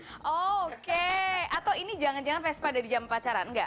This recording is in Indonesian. oke atau ini jangan jangan vespa dari jam pacaran enggak